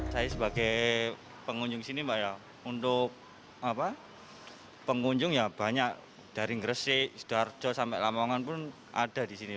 saya sebagai pengunjung sini untuk pengunjung banyak dari ngeresi sidoarjo sampai lamongan pun ada disini